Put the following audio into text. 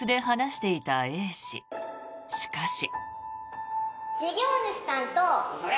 しかし。